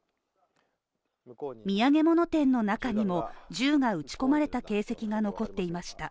土産物店の中にも、銃が撃ち込まれた形跡が残っていました。